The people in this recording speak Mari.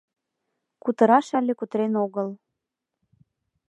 Кутыраш але кутырен огыл.